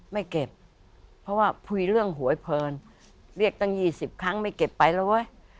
ไม่เก็บเพราะว่าคุยเรื่องหวยเพลินเรียกตั้ง๒๐ครั้งไม่เก็บไปแล้วเว้ย